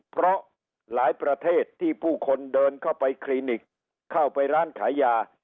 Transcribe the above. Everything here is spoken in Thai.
เพราะหลายประเทศที่ผู้คนเดินเข้าไปคลินิกเข้าไปร้านขายยา